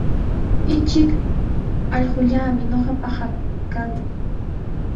Uchuk allqullami ñuqapaqa kan.